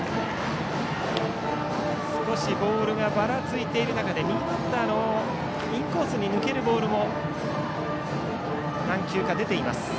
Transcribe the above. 少しボールがばらついている中で右バッターのインコースに抜けるボールも何球か出ています